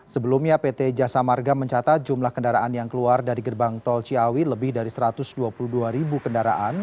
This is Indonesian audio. sebelumnya pt jasa marga mencatat jumlah kendaraan yang keluar dari gerbang tol ciawi lebih dari satu ratus dua puluh dua ribu kendaraan